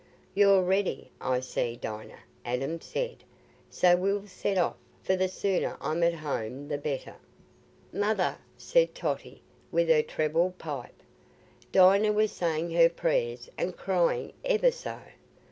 "You're ready, I see, Dinah," Adam said; "so we'll set off, for the sooner I'm at home the better." "Mother," said Totty, with her treble pipe, "Dinah was saying her prayers and crying ever so."